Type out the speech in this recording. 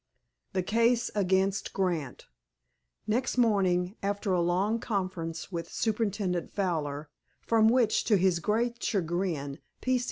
The Case Against Grant Next morning, after a long conference with Superintendent Fowler, from which, to his great chagrin, P. C.